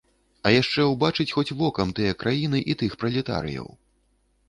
А яшчэ ўбачыць хоць вокам тыя краіны і тых пралетарыяў.